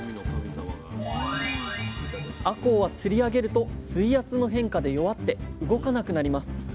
あこうは釣り上げると水圧の変化で弱って動かなくなります。